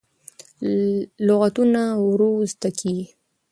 لغتونه ورو زده کېږي.